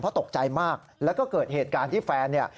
ตกใจมากแล้วก็เกิดเหตุการณ์ที่แฟนเนี่ย